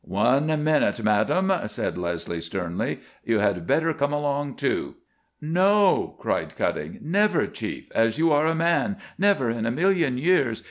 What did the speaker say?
"One minute, madam," said Leslie, sternly. "You had better come along, too." "No!" cried Cutting. "Never, Chief, as you are a man! Never in a million years!